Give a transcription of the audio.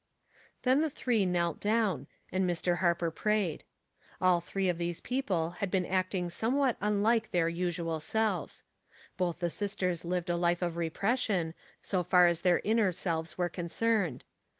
Then the three knelt down, and Mr. Harper prayed. All three of these people had been acting somewhat unlike their usual selves. Both the sisters lived a life of repression, so far as their inner selves were concerned.